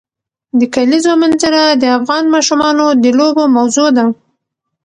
د کلیزو منظره د افغان ماشومانو د لوبو موضوع ده.